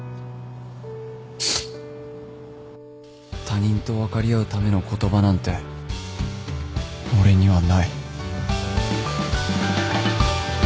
他人と分かり合うための言葉なんて俺にはない